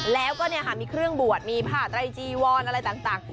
แล้วก็มีเครื่องบวชมีผ้าไตรจีวรอะไรต่าง